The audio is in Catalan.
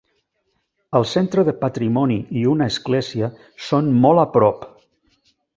El centre de patrimoni i una església són molt a prop.